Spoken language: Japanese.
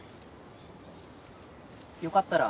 よかったら。